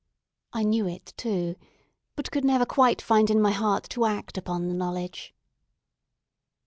I knew it, too, but could never quite find in my heart to act upon the knowledge.